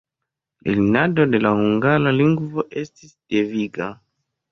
Lernado de la hungara lingvo estis deviga.